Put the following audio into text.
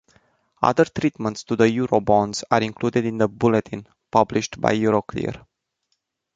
Other treatments to the Eurobonds are included in the bulletin published by Euroclear.